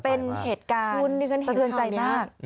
เป็นเหตุการณ์สะเทือนใจมาก